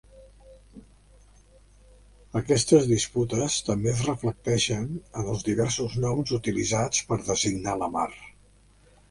Aquestes disputes també es reflecteixen en els diversos noms utilitzats per designar la mar.